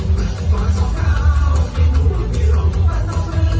ต้องไว้ต้องไว้ต้องต้องต้องต้องไว้